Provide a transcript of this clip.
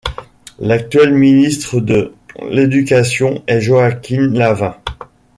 L'actuel ministre de l'Éducation est Joaquín Lavín.